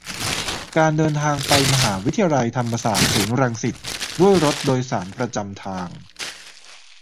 การเดินทางไปมหาวิทยาลัยธรรมศาสตร์ ศูนย์รังสิต ด้วยรถโดยสารประจำทาง